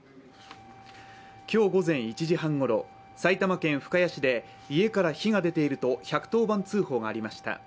今日午前１時半ごろ、埼玉県深谷市で家から火が出ていると１１０番通報がありました。